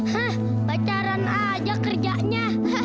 hah pacaran aja kerjanya